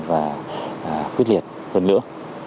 và quyết liệt hơn nữa